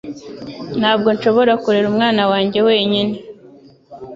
Ntabwo nshobora kurera umwana wanjye wenyine